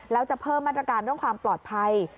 แล้วจะเพิ่มมาตรการเรื่องความปลอดภัย